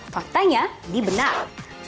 faktanya ini benar